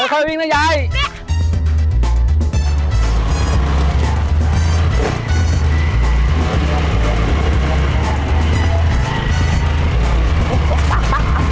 เากลับไปวิ่งเนาะยายเด๋อร์จริง